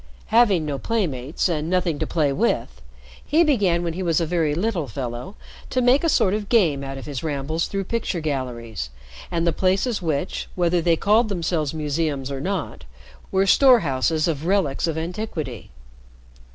Having no playmates and nothing to play with, he began when he was a very little fellow to make a sort of game out of his rambles through picture galleries, and the places which, whether they called themselves museums or not, were storehouses or relics of antiquity.